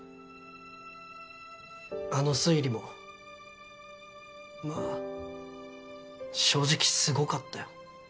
あの推理もまあ正直すごかったよ。